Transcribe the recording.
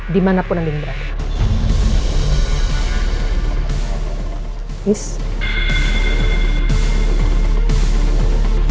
dimanapun andi berada